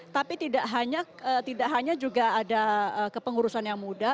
tapi tidak hanya juga ada kepengurusan yang muda